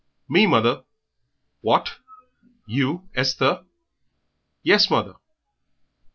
"Me, mother." "What! You, Esther?" "Yes, mother."